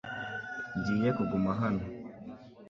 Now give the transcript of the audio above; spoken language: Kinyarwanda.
Ngiye kuguma hano .